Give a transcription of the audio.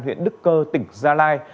huyện đức cơ tỉnh gia lai